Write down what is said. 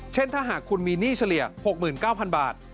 เช่นถ้าหากคุณมีหนี้เฉลี่ย๖๙๐๐บาท